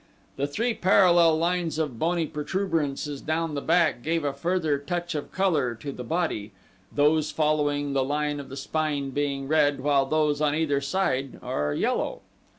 The three parallel lines of bony protuberances down the back gave a further touch of color to the body, those following the line of the spine being red, while those on either side are yellow.